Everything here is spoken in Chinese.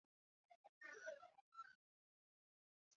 斡特懒返还回家。